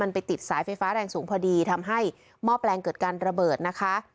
ไปติดสายไฟฟ้าแรงสูงพอดีทำให้หม้อแปลงเกิดการระเบิดนะคะ